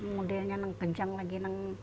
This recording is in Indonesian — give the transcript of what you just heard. modelnya ngekejang lagi